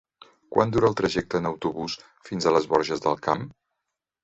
Quant dura el trajecte en autobús fins a les Borges del Camp?